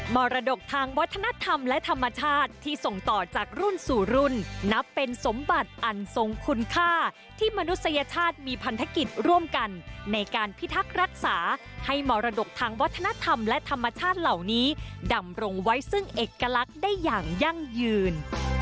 มรดกทางวัฒนธรรมและธรรมชาติที่ส่งต่อจากรุ่นสู่รุ่นนับเป็นสมบัติอันทรงคุณค่าที่มนุษยชาติมีพันธกิจร่วมกันในการพิทักษ์รักษาให้มรดกทางวัฒนธรรมและธรรมชาติเหล่านี้ดำรงไว้ซึ่งเอกลักษณ์ได้อย่างยั่งยืน